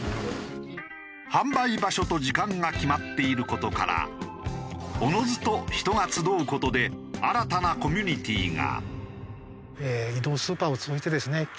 販売場所と時間が決まっている事からおのずと人が集う事で新たなコミュニティーが。